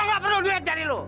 aku gak perlu uang dari lu